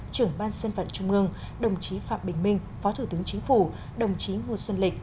trưởng ban dân vận trung mương đồng chí phạm bình minh phó thủ tướng chính phủ đồng chí ngô xuân lịch